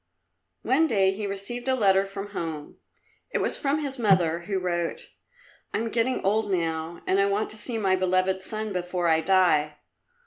One day he received a letter from home. It was from his mother, who wrote, "I am getting old now, and I want to see my beloved son before I die.